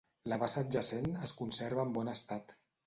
La bassa adjacent es conserva en bon estat.